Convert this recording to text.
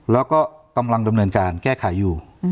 แล้วก็กำลังดำเนินการแก้ไขอยู่